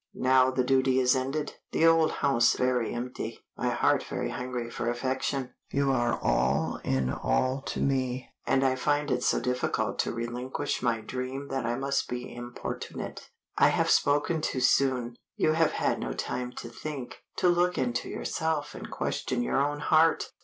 Now the duty is ended, the old house very empty, my heart very hungry for affection. You are all in all to me, and I find it so difficult to relinquish my dream that I must be importunate. I have spoken too soon, you have had no time to think, to look into yourself and question your own heart.